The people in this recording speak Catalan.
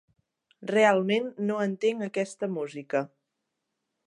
Realment no entenc aquesta música.